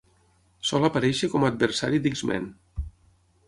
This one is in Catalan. Sol aparèixer com a adversari d"X-Men.